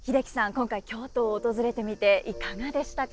今回京都を訪れてみていかがでしたか？